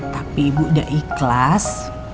tapi ibu udah ikhlas